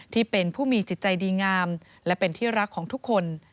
ที่เป็นผู้มีจิตใจดีงามและเป็นที่รักของทุกคน